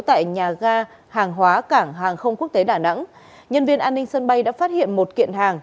tại nhà ga hàng hóa cảng hàng không quốc tế đà nẵng nhân viên an ninh sân bay đã phát hiện một kiện hàng